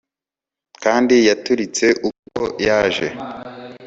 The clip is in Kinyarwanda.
Kandi yaturitse uko yaje